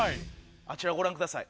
あちらをご覧ください。